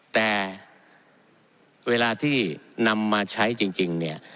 แต่เวลาที่นำมาใช้จริงเนี่ย